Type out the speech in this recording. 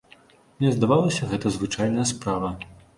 Мне здавалася, гэта звычайная справа.